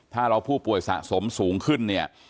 ถ้าเราผู้ป่วยสะสมสูงขึ้นเนี่ย